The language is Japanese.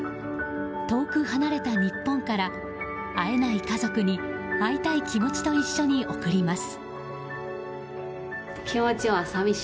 遠く離れた日本から会えない家族に会いたい気持ちと一緒に送ります。